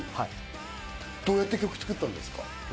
どうやって曲を作ったんです